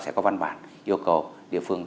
sẽ có văn bản yêu cầu địa phương